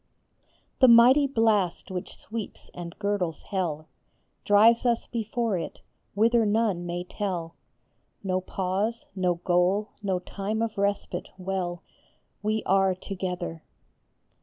THE mighty blast which sweeps and girdles hell Drives us before it, whither none may tell. No pause, no goal, no time of respite, well, We are together